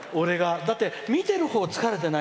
だって、見てるほう疲れてない？